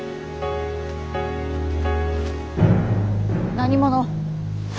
何者？